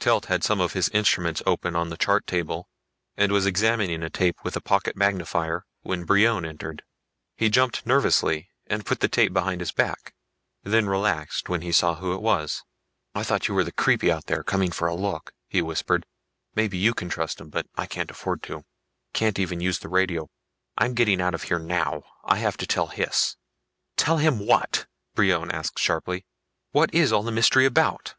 Telt had some of his instruments open on the chart table and was examining a tape with a pocket magnifier when Brion entered. He jumped nervously and put the tape behind his back, then relaxed when he saw who it was. "I thought you were the creepie out there, coming for a look," he whispered. "Maybe you trust him but I can't afford to. Can't even use the radio. I'm getting out of here now. I have to tell Hys!" "Tell him what?" Brion asked sharply. "What is all the mystery about?"